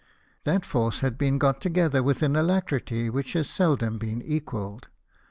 That force had been got together with an alacrity which has seldom been equalled.